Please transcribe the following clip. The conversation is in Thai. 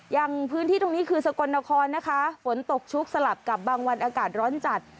อย่างพื้นที่ตรงนี้คือสกลนครนะคะฝนตกชุกสลับกับบางวันอากาศร้อนจัด